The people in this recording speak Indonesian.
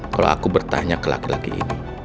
kalau aku bertanya ke laki laki ini